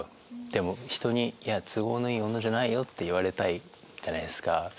でも人に「都合のいい女じゃないよ」って言われたいじゃないですか。